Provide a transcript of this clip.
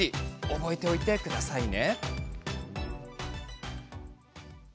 覚えておいてくださいね。